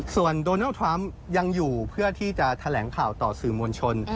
ส่วนโดนัลด์ทรัมป์ยังอยู่เพื่อที่จะแถลงข่าวต่อสื่อมวลชน